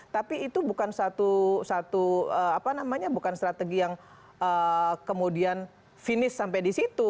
tapi itu bukan satu apa namanya bukan strategi yang kemudian finish sampai di situ